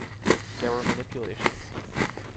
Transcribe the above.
There were manipulations.